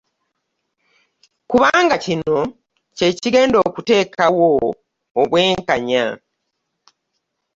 Kubanga kino kye kigenda okuteekawo obwenkanya.